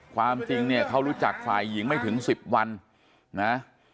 ความจริงเนี่ยเขารู้จักฝ่ายหญิงไม่ถึง๑๐วันนะ